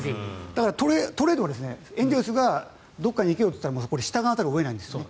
だからトレードはエンゼルスがどこかに行けよと言ったらもうそれは従わざるを得ないんですね。